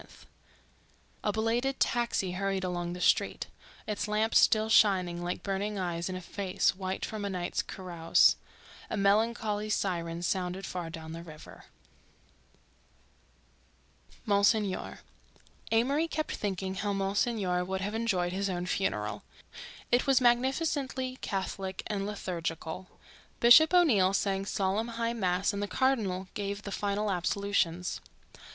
Another dawn flung itself across the river, a belated taxi hurried along the street, its lamps still shining like burning eyes in a face white from a night's carouse. A melancholy siren sounded far down the river. MONSIGNOR Amory kept thinking how Monsignor would have enjoyed his own funeral. It was magnificently Catholic and liturgical. Bishop O'Neill sang solemn high mass and the cardinal gave the final absolutions.